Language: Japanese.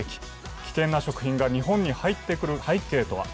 危険な食品が日本に入ってくる背景とは。